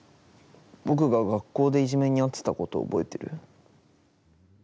僕が学校でいじめに遭ってたこと覚えてる？